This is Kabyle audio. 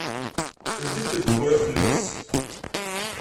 Ldint-d tewwura fell-as.